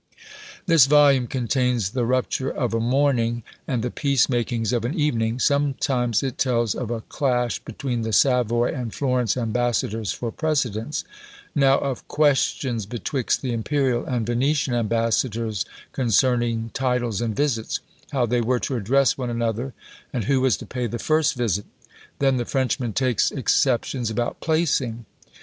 This volume contains the rupture of a morning, and the peace makings of an evening; sometimes it tells of "a clash between the Savoy and Florence ambassadors for precedence;" now of "questions betwixt the Imperial and Venetian ambassadors, concerning titles and visits," how they were to address one another, and who was to pay the first visit! then "the Frenchman takes exceptions about placing."